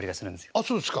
あっそうですか。